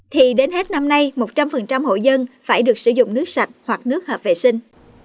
thì đến hết năm nay một trăm linh hội dân phải được sử dụng nước sạch hoặc nước hợp vệ sinh